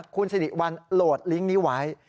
คุณสิริวัลโหลดลิงก์นี้ไว้